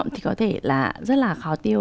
thì có thể là rất là khó tiêu